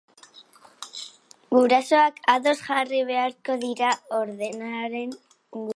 Gurasoak ados jarri beharko dira ordenaren inguruan.